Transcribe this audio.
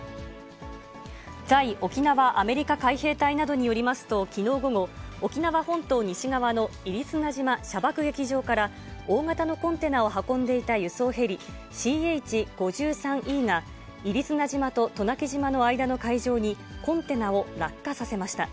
在沖縄アメリカ海兵隊などによりますと、きのう午後、沖縄本島西側の入砂島射爆撃場から大型のコンテナを運んでいた輸送ヘリ、ＣＨ５３Ｅが、入砂島と渡名喜島の間の海上に、コンテナを落下させました。